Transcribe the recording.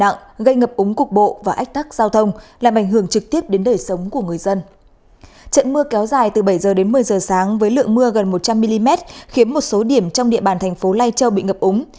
trận mưa kéo dài từ bảy h đến một mươi giờ sáng với lượng mưa gần một trăm linh mm khiến một số điểm trong địa bàn thành phố lai châu bị ngập úng